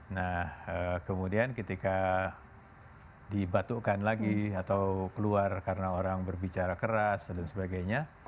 nah kemudian ketika dibatukkan lagi atau keluar karena orang berbicara keras dan sebagainya